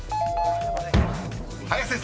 ［林先生］